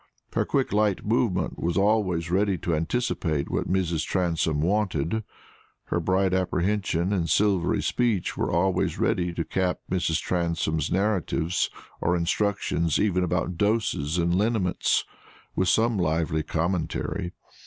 Her quick light movement was always ready to anticipate what Mrs. Transome wanted; her bright apprehension and silvery speech were always ready to cap Mrs. Transome's narratives or instructions even about doses and liniments, with some lively commentary.